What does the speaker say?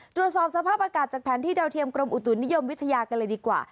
ตรวจสอบสภาพอากาศจากแผนที่ดาวเทียมกรมอุตุนิยมวิทยากันเลยดีกว่า